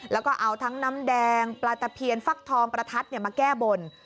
แล้วก็เอาทั้งน้ำแดงปลาตะเพียนฟักทองประทัดมาแก้บน